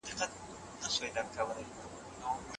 کله چې اور وژنه فعاله وي، تاوان به پراخ نه شي.